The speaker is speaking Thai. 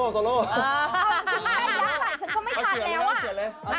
เอ้าย่างหลายฉันก็ไม่ทันแล้วอะ